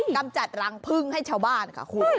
กำจัดรงพึงให้ชาวบ้านค่ะ